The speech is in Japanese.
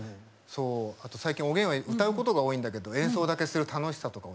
あと最近おげんは歌うことが多いんだけど演奏だけする楽しさとかもね